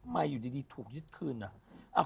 อยู่ดีถูกยึดคืนอ่ะ